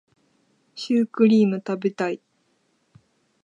シュークリーム食べたい